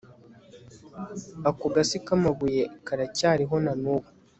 ako gasi k'amabuye karacyariho na n'ubu